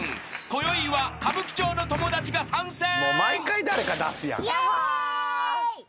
［こよいは歌舞伎町の友達が参戦］